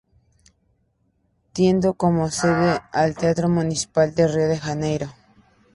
Teniendo como sede el Teatro Municipal de Río de Janeiro.